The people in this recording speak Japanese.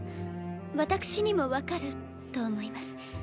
私にも分かると思います。